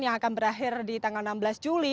yang akan berakhir di tanggal enam belas juli